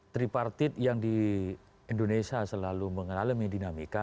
tripartit yang di indonesia selalu mengalami dinamika